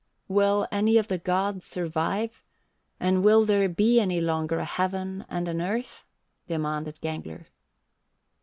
67. "Will any of the gods survive, and will there be any longer a heaven and an earth?" demanded Gangler.